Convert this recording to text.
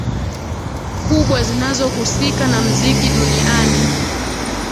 kubwa zinazohusika na mziki duniani